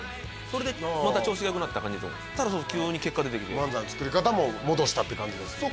それでまた調子がよくなった感じですもんそしたら急に結果出てきて漫才の作り方も戻したって感じですね